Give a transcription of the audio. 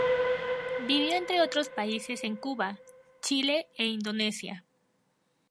Vivió entre otros países en Cuba, Chile, e Indonesia.